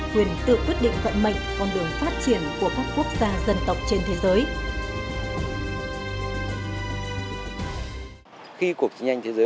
quyền tự quyết định vận mệnh con đường phát triển của các quốc gia dân tộc trên thế giới